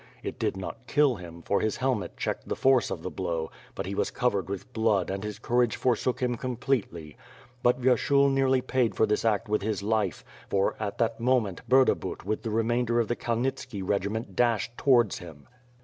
It did not kill him for his helmet checked the force of the blow, but he was covered with blood and his courage forsook him com pletely. But Vyershul nearly paid for this act with his life; for, at that moment, Burdabut with the remainder of the Kalnitski regiment dashed towards him.